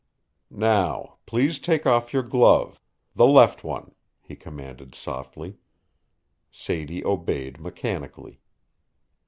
"Now, please take off your glove the left one," he commanded softly. Sadie obeyed mechanically.